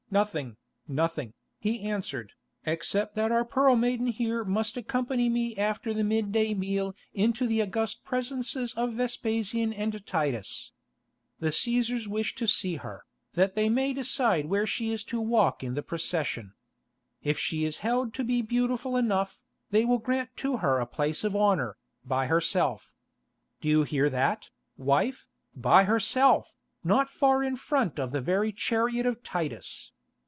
nothing, nothing," he answered, "except that our Pearl Maiden here must accompany me after the mid day meal into the august presences of Vespasian and Titus. The Cæsars wish to see her, that they may decide where she is to walk in the procession. If she is held to be beautiful enough, they will grant to her a place of honour, by herself. Do you hear that, wife—by herself, not far in front of the very chariot of Titus?